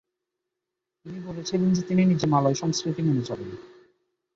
তিনি বলেছিলেন যে তিনি নিজে মালয় সংস্কৃতি মেনে চলেন।